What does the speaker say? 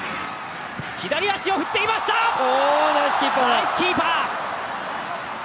ナイスキーパー！